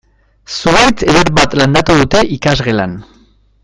Zuhaitz eder bat landatu dute ikasgelan.